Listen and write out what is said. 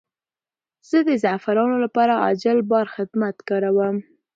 زه د زعفرانو لپاره عاجل بار خدمت کاروم.